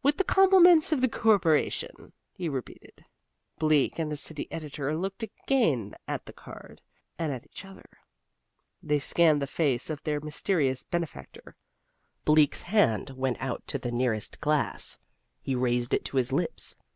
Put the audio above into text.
"With the compliments of the Corporation," he repeated. Bleak and the city editor looked again at the card, and at each other. They scanned the face of their mysterious benefactor. Bleak's hand went out to the nearest glass. He raised it to his lips.